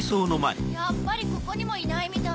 やっぱりここにもいないみたいね。